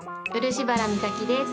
漆原実咲です。